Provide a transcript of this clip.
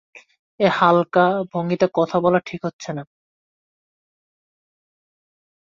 এ রকম হালকা ভঙ্গিতে কথা বলা ঠিক হচ্ছে না।